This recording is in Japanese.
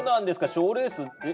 賞レースえ